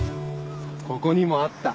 ここにもあった。